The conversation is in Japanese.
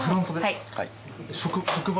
はい。